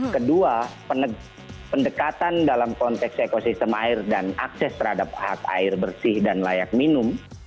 kedua pendekatan dalam konteks ekosistem air dan akses terhadap hak air bersih dan layak minum